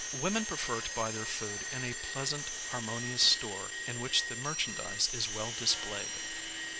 Women prefer to buy their food in a pleasant harmonious store in which the merchandise is well displayed.